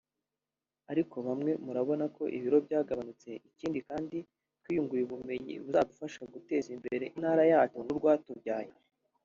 ariko bamwe murabona ko ibiro byagabanutse ikindi kandi twiyunguye ubumenyi buzadufasha guteza imbere intara yacu n’urwatubyaye